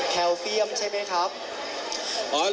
แคลเซียมใช่ไหมครับ